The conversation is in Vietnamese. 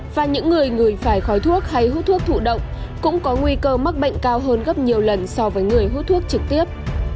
và những người người phải khói thuốc hay hút thuốc thụ động cũng có nguy cơ mắc bệnh cao hơn gấp nhiều lần so với người hút thuốc trực tiếp